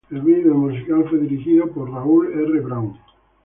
El video musical fue dirigido por "Paul R. Brown".